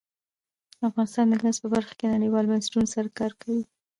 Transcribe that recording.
افغانستان د ګاز په برخه کې نړیوالو بنسټونو سره کار کوي.